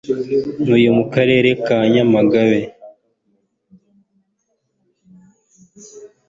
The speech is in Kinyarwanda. ntuye mu Karere ka Nyamagabe